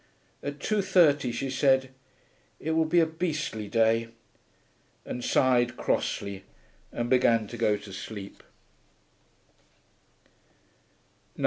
At 2.30 she said, 'It will be a beastly day,' and sighed crossly and began to go to sleep.